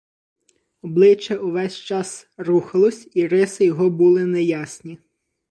Обличчя увесь час рухалось, і риси його були неясні.